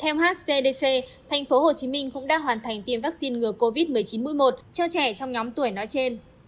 theo hcdc tp hcm cũng đã hoàn thành tiêm vaccine ngừa covid một mươi chín mũi một cho trẻ trong nhóm tuổi nói trên